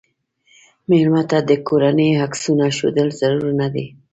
مېلمه ته د کورنۍ عکسونه ښودل ضرور نه دي.